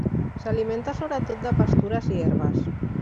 S'alimenta sobretot de pastures i herbes.